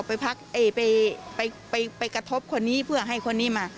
ไปพักไปกระทบคนนี้เพื่อให้คนนี้มา